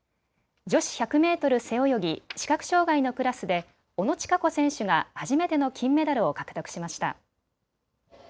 女子１００メートル背泳ぎ、視覚障害のクラスで小野智華子選手が初めての金メダルを獲得しました。